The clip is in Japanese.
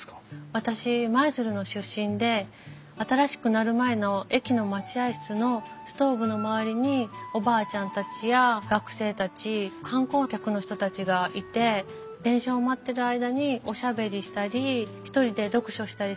私舞鶴の出身で新しくなる前の駅の待合室のストーブの周りにおばあちゃんたちや学生たち観光客の人たちがいて電車を待ってる間におしゃべりしたり一人で読書したりするのがすごく印象に残ってたんです。